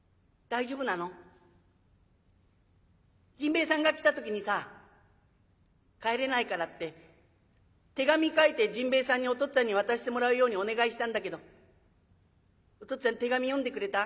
甚兵衛さんが来た時にさ帰れないからって手紙書いて甚兵衛さんにお父っつぁんに渡してもらうようにお願いしたんだけどお父っつぁん手紙読んでくれた？